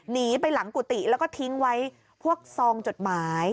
หนีไปหลังกุฏิแล้วก็ทิ้งไว้พวกซองจดหมาย